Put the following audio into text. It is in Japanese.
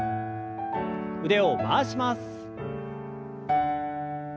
腕を回します。